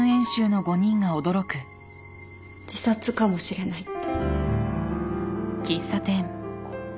自殺かもしれないって。